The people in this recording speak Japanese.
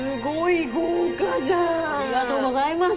ありがとうございます。